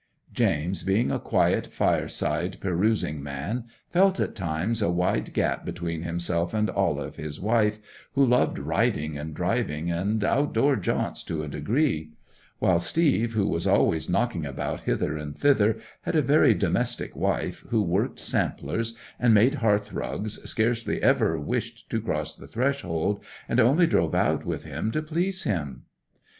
James, being a quiet, fireside, perusing man, felt at times a wide gap between himself and Olive, his wife, who loved riding and driving and out door jaunts to a degree; while Steve, who was always knocking about hither and thither, had a very domestic wife, who worked samplers, and made hearthrugs, scarcely ever wished to cross the threshold, and only drove out with him to please him.